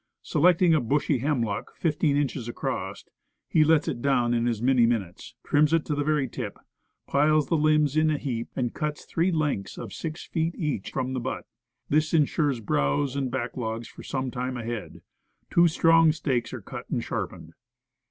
Selecting a bushy hemlock fifteen inches across, he lets it down in as many min utes, trims it to the very tip, piles the limbs in a heap, and cuts three lengths of six feet each from the butt. This insures browse and back logs for some time ahead. Two strong stakes are cut and sharpened.